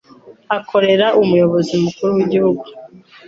Akorera umuyobozi mukuru w'igihugu